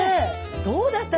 どうだった？